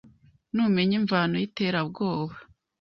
numenya imvano y’iterabwoba ,